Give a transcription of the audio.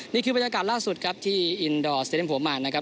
นี่คือบรรยากาศล่าสุดครับที่อินดอร์สเตรียมหัวมานนะครับ